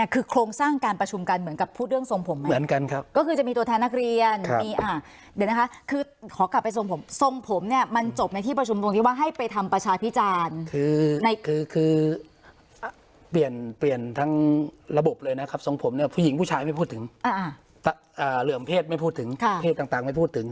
คือโครงสร้างการประชุมกันเหมือนกับพูดเรื่องทรงผมเหมือนกันครับก็คือจะมีตัวแทนนักเรียนมีเดี๋ยวนะคะคือขอกลับไปทรงผมทรงผมเนี่ยมันจบในที่ประชุมตรงที่ว่าให้ไปทำประชาพิจารณ์คือในคือคือเปลี่ยนเปลี่ยนทั้งระบบเลยนะครับทรงผมเนี่ยผู้หญิงผู้ชายไม่พูดถึงเหลื่อมเพศไม่พูดถึงเพศต่างไม่พูดถึง